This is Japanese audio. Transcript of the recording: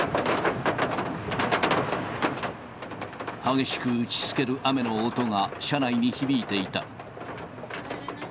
激しく打ちつける雨の音が、車内に響いていた。